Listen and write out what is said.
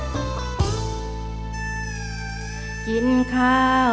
มีเกี่ยวกับ